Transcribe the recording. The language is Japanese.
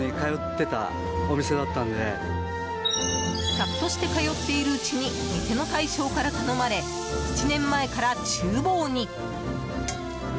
客として通っているうちに店の大将から頼まれ７年前から厨房に。